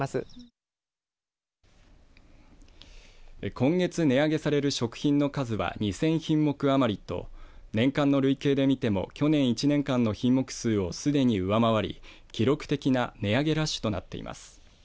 今月値上げされる食品の数は２０００品目余りと年間の累計で見ても去年１年間の品目数をすでに上回り記録的な値上げラッシュとなっています。